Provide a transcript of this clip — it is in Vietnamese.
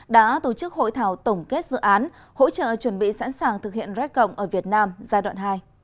đã tổ chức hội thảo tổng kết dự án hỗ trợ chuẩn bị sẵn sàng thực hiện red cộng ở việt nam giai đoạn hai